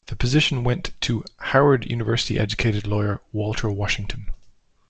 The position went to Howard University-educated lawyer Walter Washington.